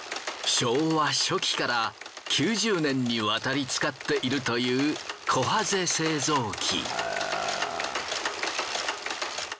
昭和初期から９０年にわたり使っているというこはぜ製造機。